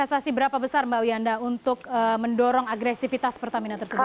investasi berapa besar mbak wiyanda untuk mendorong agresivitas pertamina tersebut